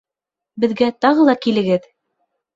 Беҙгә тағы ла килегеҙ!